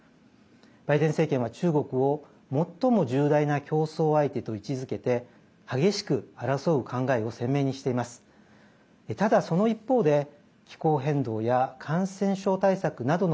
バイデン政権は、中国を最も重大な競争相手と位置づけて激しく争う考えを鮮明にしています。